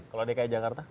kalau dki jakarta